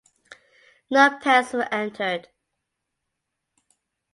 No pairs were entered.